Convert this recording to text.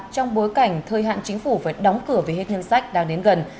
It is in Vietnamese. trong bối cảnh thời hạn chính phủ phải đóng cửa về hết nhân sách đang đến gần